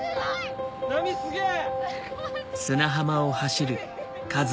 波すげぇ！